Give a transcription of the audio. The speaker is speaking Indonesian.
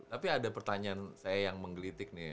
tapi ada pertanyaan saya yang menggelitik nih